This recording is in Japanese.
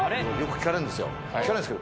聞かれるんですけど